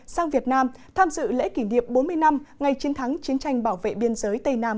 sang việt nam tham dự lễ kỷ niệm bốn mươi năm ngày chiến thắng chiến tranh bảo vệ biên giới tây nam